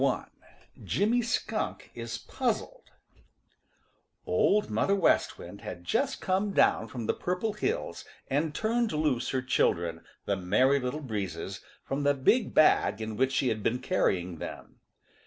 TOAD I JIMMY SKUNK IS PUZZLED Old Mother West Wind had just come down from the Purple Hills and turned loose her children, the Merry Little Breezes, from the big bag in which she had been carrying them.